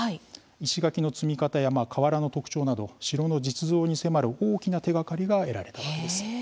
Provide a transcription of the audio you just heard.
石垣の積み方や瓦の特徴など城の実像に迫る大きな手がかりが得られたんです。